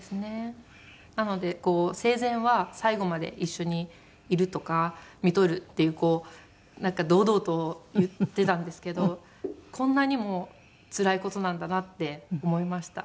なのでこう生前は「最期まで一緒にいる」とか「みとる」っていう堂々と言ってたんですけどこんなにもつらい事なんだなって思いました。